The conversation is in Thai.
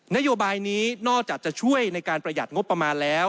นโยบายนี้นอกจากจะช่วยในการประหยัดงบประมาณแล้ว